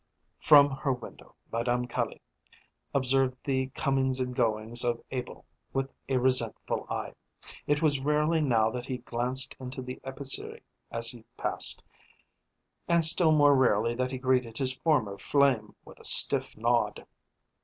From her window Madame Caille observed the comings and goings of Abel with a resentful eye. It was rarely now that he glanced into the épicerie as he passed, and still more rarely that he greeted his former flame with a stiff nod.